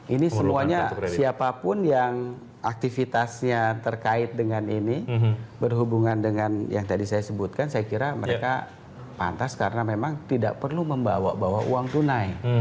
ini semuanya siapapun yang aktivitasnya terkait dengan ini berhubungan dengan yang tadi saya sebutkan saya kira mereka pantas karena memang tidak perlu membawa bawa uang tunai